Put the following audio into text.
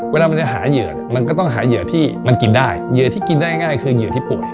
เวลามันจะหาเหยื่อเนี่ยมันก็ต้องหาเหยื่อที่มันกินได้เหยื่อที่กินได้ง่ายคือเหยื่อที่ป่วย